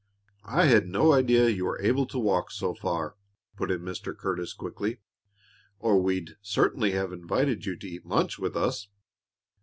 "I had no idea you were able to walk so far," put in Mr. Curtis, quickly, "or we'd certainly have invited you to eat lunch with us.